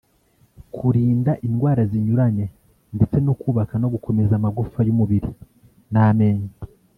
kurinda indwara zinyuranye ndetse no kubaka no gukomeza amagufa y’umubiri n’amenyo